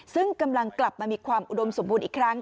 ซึ่งกำลังกลับมามีความอุดมสมบูรณ์อีกครั้ง